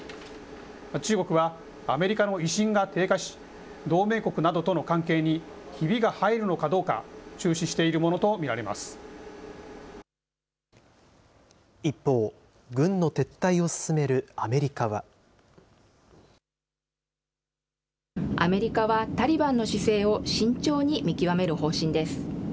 中国は、アメリカの威信が低下し、同盟国などとの関係にひびが入るのかどうか、注視しているものと一方、軍の撤退を進めるアメアメリカは、タリバンの姿勢を慎重に見極める方針です。